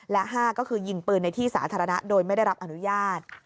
และ๕ก็คือยิงปืนในที่สาธารณะโดยไม่ได้รับอนุญาต